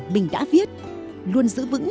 mình đã viết luôn giữ vững